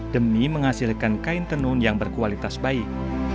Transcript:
demi menghasilkan kain tenun yang berkualitas baik